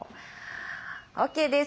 ＯＫです。